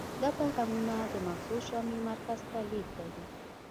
دا پیغامونه د مغزو شامعي مرکز ته لیږدوي.